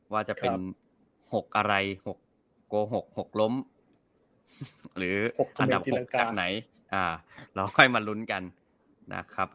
ว่าจะเป็น๖อะไร๖โกหก๖ล้มหรืออันดับ๖จากไหนเราค่อยมาลุ้นกันนะครับ